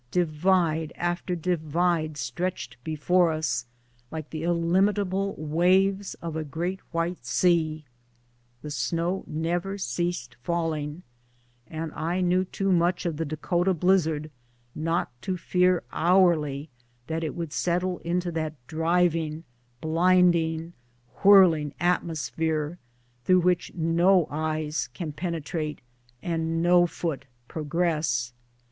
Divide after 'divide stretched before us, like the illimitable waves of a great wliite sea. The snow never ceased falling, and I knew too much of the Dakota blizzard not to fear hourly that it would settle into that driving, blinding, whirling ^^. mosphere through which no eyes can penetrate and 110 foot progress.